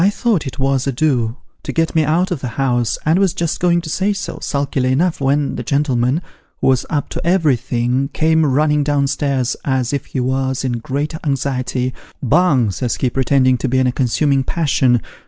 1 thought it was a do, to get me out of the house, and was just going to say so, sulkily enough, when the gentleman (who was up to everything) came running down stairs, as if ho was in great anxiety. ' Bung,' says he, pretending to be in a consuming passion.